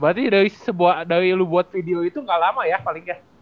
berarti dari sebuah dari lu buat video itu ga lama ya paling ya